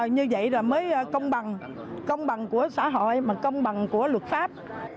như vậy là mới công bằng công bằng của xã hội mà công bằng của luật pháp